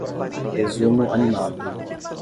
Resumo animado